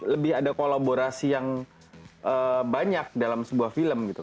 lebih ada kolaborasi yang banyak dalam sebuah film gitu